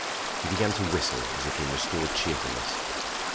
He began to whistle as if in restored cheerfulness.